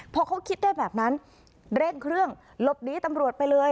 พอเขาคิดได้แบบนั้นเร่งเครื่องหลบหนีตำรวจไปเลย